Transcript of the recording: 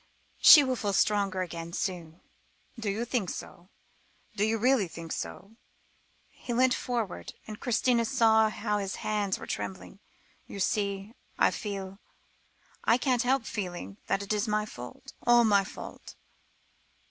"She will feel stronger again soon." "Do you think so? Do you really think so." He leant forward, and Christina saw how his hands were trembling; "you see, I feel I can't help feeling that it is my fault all my fault.